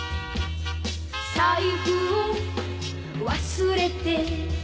「財布を忘れて」